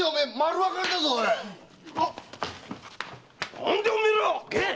何でいおめえら⁉